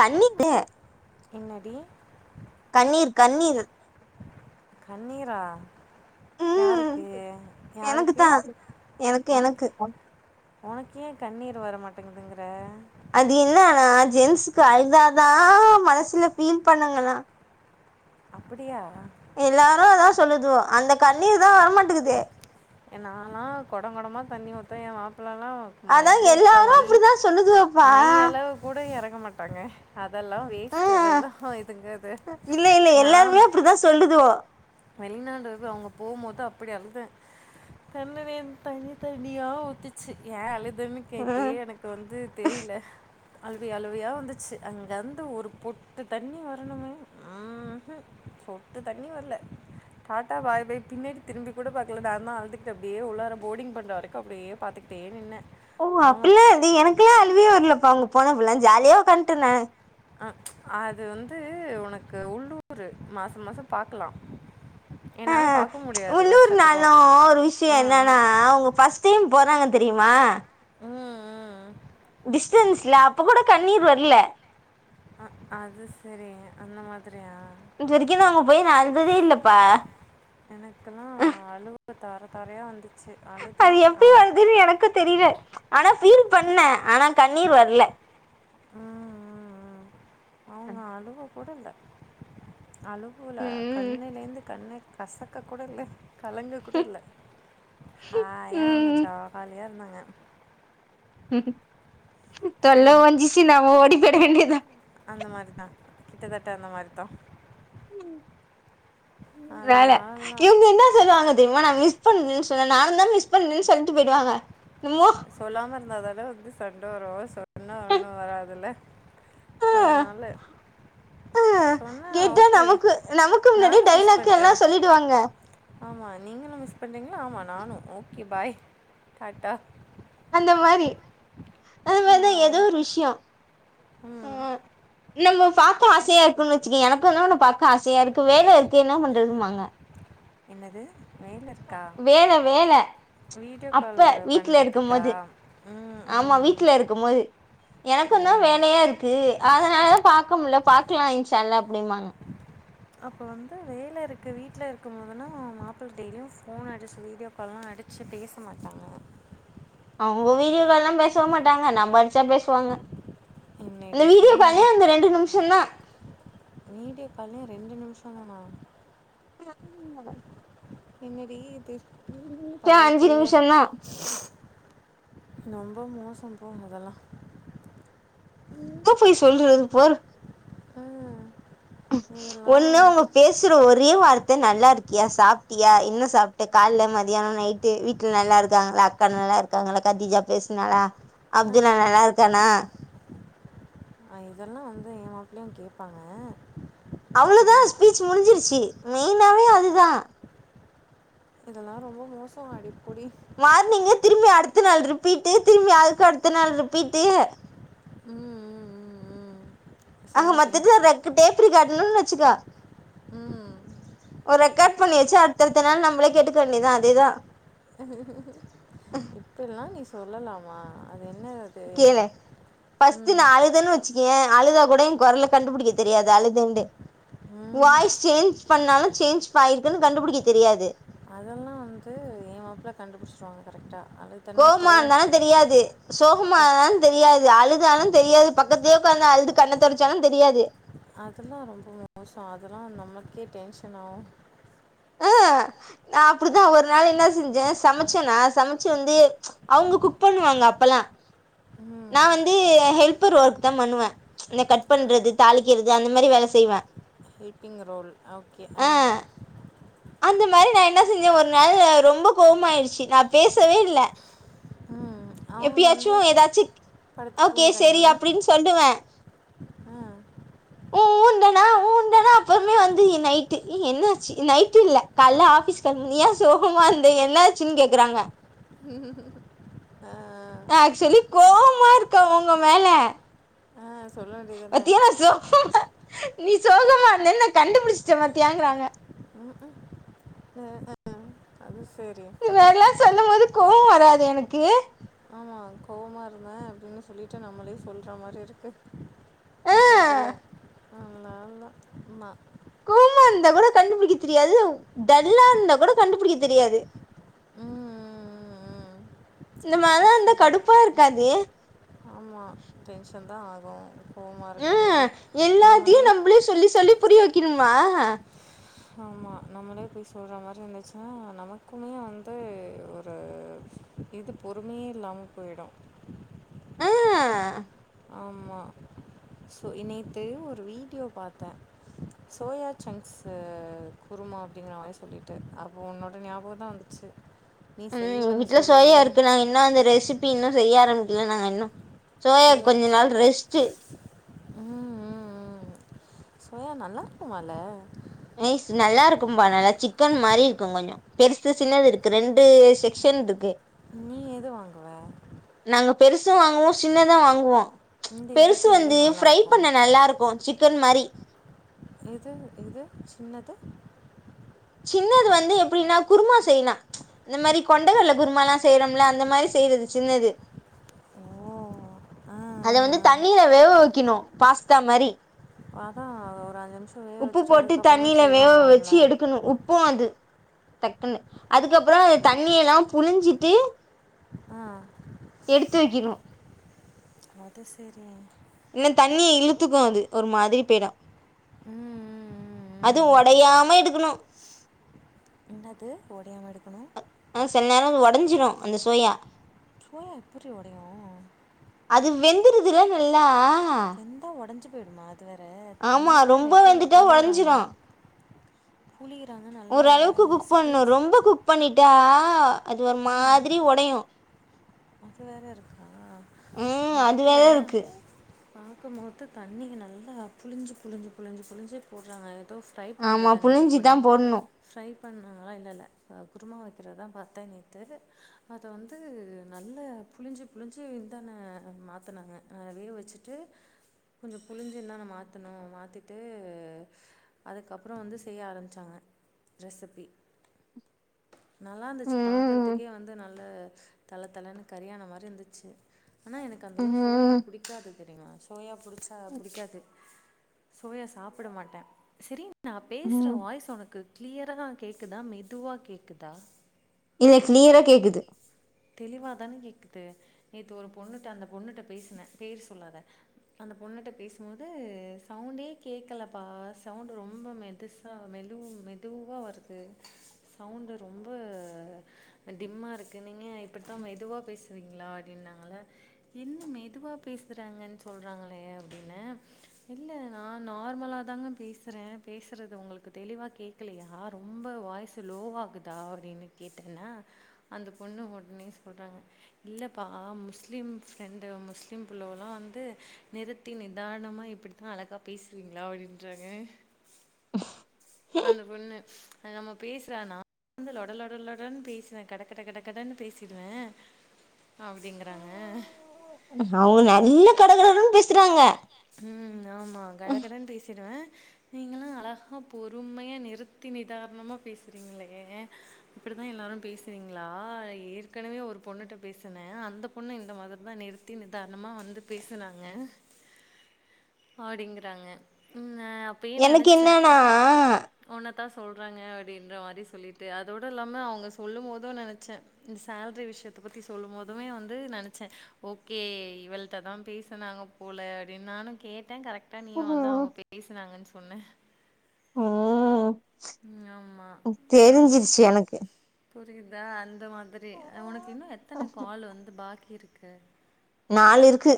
கண்ணீரு என்னடி கண்ணீர் கண்ணீர் கண்ணீரா ம் யாருக்கு எனக்கு யாருக்கு தா எனக்கு ஒனக்கு எனக்கு ஒனக்கு ஏ கண்ணீர் வர மாட்டேங்கிதுங்ற அது இன்னான்னா ஜென்ஸுக்கு அழுதா தா மனசுல ஃபீல் பண்ணுங்களா அப்பிடியா எல்லாரு அதா சொல்லுது அந்த கண்ணீர் தா வரமாட்டுக்குதே எ நாலா கொடங்கொடமா தண்ணி ஊத்துவே எ மாப்ளலலா அதா மையக்க எல்லாரு மை அப்டிதா சொல்லுதுவோப்பா மையளவு கூட எறங்க மாட்டாங்க அதெல்லா வேஸ்ட்டு ம் அதெல்லா இதுங்காது நாம் அதா சொல்லுது வெளிநாடு தா அவுங்க போம்போது அப்பிடி அழுதே கண்ணுலேந் தண்ணி தண்ணியா ஊத்துச்சு ஏ அழுதேன் ம் கேப்பியே எனக் கு வந்து தெரில அழுவை அழுவையா வந்துச்சு அங்கர்ந்து ஒரு பொட்டு தண்ணி வர்னுமே உம் ஹும் சொட்டு தண்ணி வர்ல டாட்டா பாய்பாய் பின்னாடி திரும்பி கூட பாக்ல நாந்தா அழுதுக்ட்டு அப்டியே உள்ளார போர்டிங் பண்ற வரைக்கு அப்டியே பாத்துக்ட்டே நின்னே ஓ அப்பில்லா இது எனக்லா அழுவயே வர்லப்பா அவுங்க போனப்பல்லா ஜாலியா ஒக்கான்ட்டுன்னே ஆ அது வந்து ஒனக்கு உள்ளூரு மாச மாசொ பாக்லா ஆ உள்ளூர்னாலு ஒரு விஷ்யோ ஆ என்னன்னா அவுங்க ஃபஸ் டீம் போறாங்க தெரியுமா ம் ம் ம் டிஸ்ட்டன்ஸ்ல அப்பக் கூட கண்ணீர் வர்ல ஆ அது செரிங்க அந்த மாதிரியா இது வரைக்கு நா அவ்ங்க போய் நா அழுததே இல்லப்பா எனக்குலா அழுவ தார தாரயா வந்து சேர் ஆனா அது எப்டி வருதுன்னு எனக்கு தெரியல ஆனா ஃபீல் பண்ணே ஆனா கண்ணீர் வர்ல ஆ ஆ ஆ நா அழுவ கூட இல்ல அழுவுல ம் கண்ணுலேருந்து கண்ணே கசக்கக் கூட இல்ல கலங்கக் கூட இல்ல ஹாயா அவ்ங்க ம் ஜவகாலியா இருந்தாங்க ம் தொல்ல அ ஓஞ்சுச்சுன் நம்ம ஓடி போய்ற வேண்டியதா அந்த மாரி தா கிட்டத்தட்ட அந்த மாரித்தா வேல அல்லா அல்லா. இவ்ங்க என்ன சொல்லுவாங்க தெரிமா நா மிஸ் பண்ணேன் சொன்னா நானுந்தா மிஸ் பண்ணேன் சொல்ட்டு போயிடுவாங்க என்னமோ சொல்லாம இருந்தா தான வந்து சண்ட வரு சொன்னா ஒன்னு வராதுல அதனால சொன்னா கேட்டா ஓகே நமக்கு நமக்கு முன்னாடியே நானு மிஸ் டைலாக் பண்றே எல்லா சொல்லிடுவாங்க ஆமா நீங்களு மிஸ் பண்றீங்ளா ஆமா நானு ஓகே பாய் தாட்டா அந்த மாரி அது மாரிதா நான் எதோ ஒரு விஷ்யோ ம் நம்ம பாக்க ஆசையா இருக்குன் வச்சுக்கோயே எனக்குந் தா உன்ன பாக்க ஆசையா இருக்கு வேல இருக்கு என்ன பண்றதும்பாங்க என்னது மேலே இருக்கா வேல வேல வீடியோ அப்ப கால் வீட்ல இருக்கு பண்ணுறதுக்கா மோது ம் ஆமா ம் வீட்ல இருக்கு மோது ஓ எனக்குந்தா வேலையா இருக்கு அதனாலதா பாக்க முட்ல பாக்கலா இன்ஷா அல்லா அப்டின்வாங்க அப்ப வந்து வேல இருக்கு வீட்ல இருக்கும் போதுனா மாப்பிள டெய்லியு ஃபோன் அடிச்சு வீடியோ அப்பலா அடிச்சு பேச மாட்டாங்க அவ்ங்க வீடியோக்கால்லா பேசவே மாட்டாங்க நம்ப அடிச்சா பேசுவாங்க இந்த என்னடி வீடியோ காலே இது அந்த ரெண்டு நிம்ஷந்தா வீடியோ காலே ரெண்டு நிம்ஷந்தானா கே தூங்குங்க என்னடி இது நிமிஷோ பகல் அஞ்சு கொள்ளையா நிமிஷந்தா நொம்ப மோசம் போ அதெல்லா எங்க போய் சொல்றது இத பாரு அ ஒன்னு ஒங்க பேச் சுற ஒரே வார்த்த நல்லாருக்கியா சாப்ட்டியா என்ன சாப்ட்ட கால்ல மதியான நைட் ட்டு வீட்ல நல்லா இருக்காங்களா அக்கா நல்லா இருக்காங்களா கத்தீஜா பேசுனாலா ஆ அப்துலா நல்லாருக்கானா ஆ இதெல்லா வந்து எ மாப்பிளையு கேப்பாங்க அவ்ளோதா ஸ்பீச் முடிஞ்சிருச்சு மெய்னாவே அதுதா இப்ப இதெல்லா ரொம்ப மோசோ அடிப் போடி மார்னிங்கே திரும்பி அடுத்த நாள் ரிப்பீட்டு திரும்பி அதுக்கு அடுத்த நாள் ரிப்பீட்டு ம் ம் ம் ம் அ மத்தது அது ரெக்கு டேப்ரு கார்டுனு வச்சுக்க ம் ஒரு ரெக்கார்ட் பண்ணி வச்சு அடுத்த அடுத்த நாள் நம்ளே கேட்டுக்க வேண்டிதா அதேதா இப்பில்லா நீ சொல்லலாமா அது என்ன தெரியுங்க கேளு ஃபஸ்ட்டு நா ம் அழுதன்னு வச்சுக்கயே அழுதா கூட என் கொரல கண்டுபுடிக்க தெரியாது அழுதேன்ட்டு ம் வாய்ஸ் சேஞ்ச் பண்ணாலு சேஞ்ச் ஆயிருக்குன்னு கண்டுபிடிக்க தெரியாது அதெல்லா வந்து என் மாப்ள கண்டுபுடிஷ்டுவாங்க கரெக்டா அழு கோவமா இருந்தாலு தெரியாது சோகமா கோ இருந்தாலு தெரியாது அழுதாலூ தெரியாது பக்கத்தலே ஒக்காந்த அழுது கண்ண தொடச்சாலு தெரியாது அதுலா ரொம்ப மோசம் அதுலா நமக்கே டென்ஷன் ஆ ஏன் நா அப்டிதா ஒரு நாள் என்ன செஞ்ச சமச்சன்னா சமச்சு வந்து அவுங்க குக் பண்ணுவாங்க அப்பல்லா ம் நா வந்து ஹெல்பர் ஒர்க் தா பண்ணுவ இந்த கட் பண்றது தாளிக்கிறது அந்த மாரி வேல செய்வ ஹெல்பிங் ரோல் ஓகே அ அந்த மாரி நா என்ன செஞ்ச ஒரு நாள் ரொம்ப கோவமா ஆயிடுச்சு நா பேசவே இல்ல ம் அவங்க எப்பயாச்சு வந்து ஏதாச்சு படுத்து ஓகே சரி தூங்கிட்டாங்களா அப்டின்னு சொல்லுவே ஆ உ ஊ இன்டனா ஊ இன்டனா அப்புமே வந்து நைட்டு என்ன ஆச்சு நைட் அது இல்ல காய்ல்ல ஆஃபீஸ் கெளம்ப ஏன் சோகமா இருந்த என்ன ஆச்சுன்னு கேக்குறாங்க அ அ நா ஆக்சுவலி கோவமா இருக்க உங்க மேல ஆ சொல்ல வேண்டிது தான பாத்தியா நா சோகமா நீ சோகமா இருந்த நா கண்டுபுடிஷ்ட்ட பாத்தியாங்கிறாங்க ம் ம் ஒ அது செரி இப்டி எல்லா சொல்லும் போது கோவ வராது எனக்கு ஆமா கோவமா இருந்த அப்டின்னு சொல்லிட்டு நம்மளே சொல்ற மாரி இருக்கு ஆ இப்ப இதுல நல்ல ஆள் தா ஆமா கோவமா இருந்தா கூட கண்டுபுடிக்க தெரியாது டல்லா இருந்தா கூட கண்டுபுடிக்க தெரியாது ம் ம் ம் ம் இந்த மாரில்லா இருந்தா கடுப்பா இருக்காது ஆமா டென்ஷன் தா ஆகு ம் எல்லாத்தையு நம்பளே சொல்லி சொல்லி புரிய வெக்கனுமா ஆமா நம்மளே போய் சொல்ற மாரி இருந்துச்சுன்னா நமக்குமே வந்து ஒரு இது பொறுமையே இல்லாம போய்டோ ஆ ஆமா சோ நேத்து ஒரு வீடியோ பாத்த சோயா சங்ஸ்சு குருமா அப்டிங்கிற மாரி சொல்லிட்டு அப்போது உன்னோட ஞாபகம் தா வந்துச்சு நீ ம் எங்க செய்வன் வீட்ல சோயா சொல்லுவல்ல இருக்கு நாங்க இன்னு அந்த ரெசிபி இன்னு செய்ய ஆரம்பிக்கல நாங்க இன்னு சோயாக்கு கொஞ்ச நாள் ரெஸ்ட்டு ம் ம் ம் சோயா நல்லா இருக்குமால நைஸ் நல்லா இருக்கும்பா நல்லா சிக்கன் மாரி இருக்கு கொஞ்சோ பெருசு சின்னது இருக்கு ரெண்டு செக்ஷன் இதுக்கு நீ எது வாங்குவ நாங்க பெருசு வாங்குவோ சின்னது வாங்குவோ இந்த பெருசு இதுக்கு எது வந்து நல்லா ஃபரை இருக்கும் பண்ண நல்லாருக்கு சிக்கன்மாரி எது எது சின்னது சின்னது வந்து எப்படினா குருமா செய்லா இந்த மாரி கொண்டைகடல குருமாலா செய்றம்ல அந்த மாரி செய்றது சின்னது ஓ ஆ அத வந்து ஆ. தண்ணில வேவ வெக்கிணு பாஸ்தா மாரி அதான் ஒரு அஞ்சு நிமிஷம் வேக உப்பு வச்சுட்டு போட்டு அதுக்கப்புறம் தான் தண்ணியில வேவ வெச்சு செய்வாங்களாம்ல எடுக்கணு உப் பு அது டக்குன்னு அதுக்கப்புற அது தண்ணியெல்லா புழிஞ்சிட்டு ஆ எடுத்து வைக்கணும் அது செரி இன்ன தண்ணிய இழுத்துக்கு அது ஒரு மாதிரி பேய்ரு ம் ம் ம் அது ஒடையாம எடுக்குணு இன்னாது ஒடையாம எடுக்கணு ஆனா சில் நேரோ அது ஒடஞ்சிரு அந்த சோயா சோயா எப்படி உடையும் அது வெந்துருதுல்ல நல்லா வெந்தா ஒடஞ்சு போயிடுமா அது வேற ஆமா தண்ணியெல்லா ரொம்ப நெட்டுல வெந்துட்டா புழிறாங்க உடஞ்சிரும் புழிறாங்க நல்ல ஓரளவுக்கு குக் பண்ணணும் ஸ்குவீஸ் ரொம்ப குக் பண்ணிட்டா அது ஒரு மாதிரி ஒடையு அது வேற இருக்கா ம் அது நெட்டுல வேற இருக்கு பாக்கும்மோது தண்ணிய நல்லா புழிஞ்சு புழிஞ்சு புழிஞ்சு புழிஞ்சு போட்றாங்க எதோ ஆமா புழிஞ்சிதா போட்ணு ட்ரை பண்ணாங்கலா இல்ல இல்ல அ குருமா வெக்கறதுதா பாத்தே நேத்து அத வந்து நல்லா புழிஞ்சு புழிஞ்சு இதான மாத்துனாங்க அ வேவ் வெச்சுட்டு கொஞ்சோ புழிஞ்சுந்தான மாத்துனோ மாத்திட்டு அதுக்கப்புறோ வந்து செய்ய ஆரம்பிச்சாங்க ரெசிபி நல்லா இந்துச்சு ம் பாக்கறதுக்கே வந்து நல்ல தலத்தலன்னு கறியானம் மாரி இந்துச்சு ஆனா எனக்கு அந்தளவு சோயா ம் புடிக்காது தெரியுமா சோயா புடிச்சா புடிக்காது சோயா சாப்பிட மாட்டே செரி நா பேசுற ம் வாய்ஸ் உனக்கு க்ளியராதா கேக்குதா மெதுவா கேக்குதா இல்ல க்ளியரா கேக்குது தெளிவாதான கேக்குது நேத்து ஒரு பொண்ணுட்ட அந்த பொண்ணுட்ட பேசுனே பேரு சொல்லாத அந்த பொண்ணுட்ட பேசும்போது சவுண்டே கேக்கலப்பா சவுண்டு ரொம்ப மெதுசா சா மெலு மெதுவா வருது சவுண்டு ரொம்ப டிம்மா இருக்கு நீங்க இப்படித்தா மெதுவா பேசுவீங்ளா அடின்னாங்கள என்ன மெதுவா பேசுறாங்கன் சொல்றாங்களே அப்டீனு இல்ல நா நார்மலாதாங்க பேசுறே பேசுறது உங்களுக்கு தெளிவா கேக் கலயா ரொம்ப வாய்ஸ் லோவாகுதா அப்டினு கேட்டனா அந்த பொண்ணு ஒட்னே சொல்றாங்க இல்லப்பா முஸ்லீம் ஃப்ரெண்டு முஸ்லீம் புள்ளவுலா வந்து நிறுத்தி நிதாணமா இப்படித்தா அழகா பேசுவீங்ளா அப்டின்றாங்க அந்த பொண்ணு அது நம்ம பேசுறானா வந்து லொட லொட லொடன் பேசுனே கட கட கடன்னு பேசி கிடுவே அப்படிங்கறாங்க அவுங்க நல்ல கட கடன்னு பேசுறாங்க ம் ஆமா கடகடன்னு பேசிருவே நீங்களா அழகா பொறுமையா நிறுத்தி நிதாரணமா பேசுறீங்களே இப்பிடித்தா எல்லாரு பேசுவீங்களா ஏற்கனவே ஒரு பொண்ணுட்ட பேசுனே அந்த பொண்ணு இந்த மாதிரி தா நிறுத் தி நிதானமா வந்து பேசுனாங்க மாடிங்கறாங்க ம் ந எனக்கு என்னன்னா ஒன்னத்தா சொல்றாங்க அப்டின்ற மாரி சொல்லிட்டு அதோட இல்லாம அவுங்க சொல்லு போது நனைச்சே இந்த சேலரி விஷ்யத்த பத்தி சொல்லு போதுமே வந்து நனைச்சே ஓகே இவள்ட்ட தா பேசனாங்க போல அப்டின் நானு கேட்டே கரெக்டா நீயு வந்து அவங்க பேசுனாங்கன் சொன்ன ஓ ம் ஆமா ம் ஆ தெரிஞ்சிருச்சு எனக்கு புரியுதா அந்த மாதிரி அ உனக்கு இன்னு எத்தன கால் வந்து பாக்கியிருக்கு நாலுருக்கு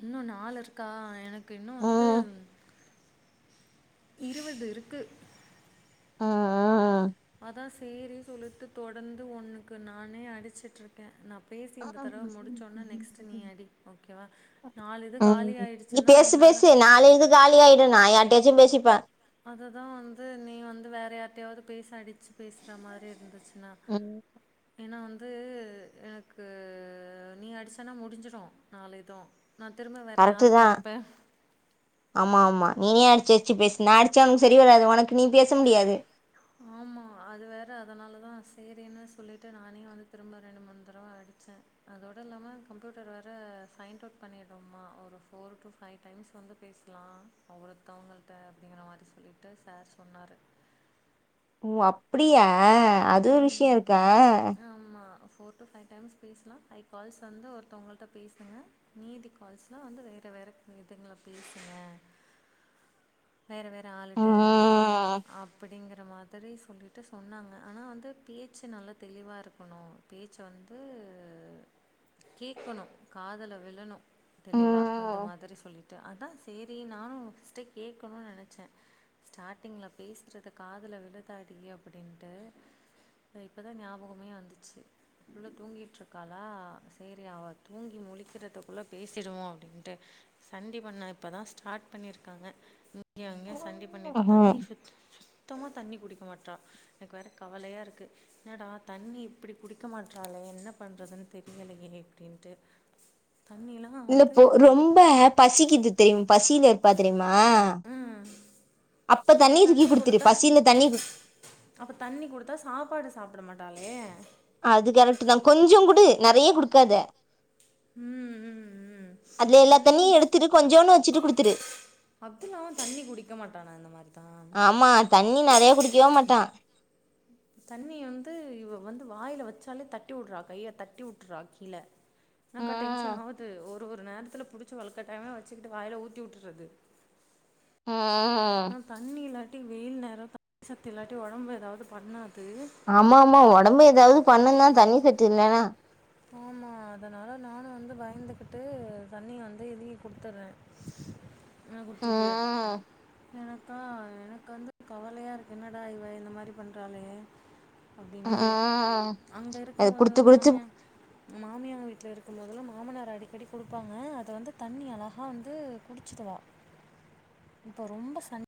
இன்னு நாலுருக்கா எனக்கு இன்னு வந்து ம் இருவது இருக்கு ம் ம் அதா சேரி சொல்லுட்டு தொடர்ந்து உன்னக்கு நானே அடிச்சிட்டுருக்கே நா பேசி இந்த தடவ முடிச்சோனா நெக்ஸ்ட் நீ அடி ஓகேவா நாலு இது ம் காலி ஆயிடுச் நீ பேசு பேசு நாலு இது காலியாயிடு நா யாருட்டயாச்சி பேசிப்பே அதுதா வந்து நீ வந்து வேற யார்ட்டையாவது பேச அடிச்சு பேசுற மாரி இருந்துச்சுனா ம் ஏன்னா வந்து எனக்கு நீ அடிசனா முடிஞ்சுடு நாலிது நா திரும்ப வேற கரெக்டு யாருக்கு தான் அடிப்ப ஆமா ஆமா நீயே அடிச்ச அடிச்சு பேசு நா அடிச்சா உனக்கு சேரி வராது உனக்கு நீ பேச முடியாது ஆமா அது வேற அதனால தா சேரின்னு சொல்லிட்டு நானே வந்து திரும்ப ரெண்டு மூணு தடவ அடிச்ச அதோட இல்லாம கம்ப்யூட்டர் வேற சைண்ட்டவுட் பண்ணிடுமா ஓக் ஒரு ஃபோர் டு ஃபைவ் டைம்ஸ் வந்து பேஸ்லா ஒருத்தவங்கள்ட்ட அப்படிங்கற மாதிரி சொல்லிட்டு சார் சொன்னாரு ஓ அப்டியா அது ஒரு விஷ்யோ ம் இருக்கா ஆமா ஃபோர் டு ஃபைவ் டைம்ஸ் பேசலா ஃபைவ் கால்ஸ் வந்து ஒருத்தவங்கள்கிட்ட பேசுங்க மீதி கால்ஸ்லா வந்து வேற வேற இதுங்கள பேசுங்க வேற வேற ஆளுட்ட ம் அப்புடிங்கற மாதிரி சொல்லிட்டு சொன்னாங்க ஆனா வந்து பேச்சு நல்லா தெளிவாகருக்கணு பேச்சு வந்து கேக்கணு காதல விழணு தெளிவா அந்த ம் மாதிரி சொல்லி ட்டு அதா சேரி நானு ஃபஸ்ட்டே கேட்கணு நெனைச்சே ஸ்டார்ட்டிங்கில பேசுறத காதுல விழுதாடி அப்டின்ட்டு து இப்பதா ஞாபகமே வந்துச்சு புள்ள தூங்கிட்டுருக்காளா சேரி அவ தூங்கி முழிக்கிறதக்குள்ள பேசிடுவோ அப்டின்ட்டு தண்டி பண்ண இப்ப தா ஸ்டார்ட் பண்ணியிருக்காங்க இங்கேயு அங்கேயு சண்டி பண்ணிட்டு ம் தண்ணி சுத் சுத்தமா தண்ணி குடிக்க மாற்ற எனக்கு வேற கவலையாருக்கு என்னடா தண்ணி இப்பிடி குடிக்க மாட்டறால என்ன பண்றதுன்னு தெரியலையே இப்டின்ட்டு தண்ணில்லா இல்ல வந்து போ ரொம்ப பசிக்குது தெரி பசியில இருப்பா தெரியுமா ம் அப்ப அப்போ தண்ணி தூக்கி குடுத்துரு பசில தண்ணி அப்ப தண்ணி குடுத்தா சாப்பாடு சாப்ட மாட்டாளே அது கரெக்ட்டு தா கொஞ்ச குட நறைய குடுக்காத ம் ம் ம் அதுல எல்லா தண்ணியு தண்ணி எடுத்துடு கொஞ்சோனு வெச்சுட்டு குடுத்துரு அப்துல்லாவு தண்ணி குடிக்க மாட்டானா இந்த மாரிதா ஆமா தண்ணி நறைய குடிக்கவே மாட்டா தண்ணி வந்து இவ வந்து வாயில வெச்சாலே தட்டி உடுறா கைய தட்டி உட்டுறா கீழ தா அக்கா டென்ஷன் ம் ஆவுது ஒரு ஒரு நேரத்துல புடிச்சி வலு கட்டாயாமா வச்சிகிட்டு வாய்ல ஊத்தி உட்டுறது ஆ ஆ தா தண்ணி இல்லாட்டி வெயில் நேர த சத்து இல்லாட்டி ஒடம்பு ஏதாவ்து பண்ணாது ஆமா ஆமா ஒடம்பு ஏதாவ்து பண்ணு தா தண்ணி சத்து இல்லனா ஆமா அதனால நானு வந்து பயந்துகிட்டு தண்ணிய வந்து எழுகி கொடுத்துறே ஆ குட்டிக்கு ம் எனக்கா எனக்கு வந்து கவலைய இருக்கு என்னடா இவ இந்த மாரி பண்றாலே அப்டின்ட்டு ம் அங்க அது இருக்கும்போது குடுத்து குடுத்து மாமிய மாமியா வீட்ல இருக்கும்போதல்லா மாமானாரு அடிக்கடி குடுப்பாங்க அத வந்து தண்ணி அழகா வந்து குடிச்சிருவா இப்ப ரொம்ப சண்